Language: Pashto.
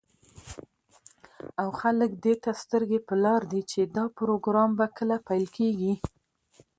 او خلك دېته سترگې په لار دي، چې دا پروگرام به كله پيل كېږي.